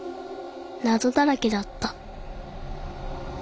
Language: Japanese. なぞだらけだった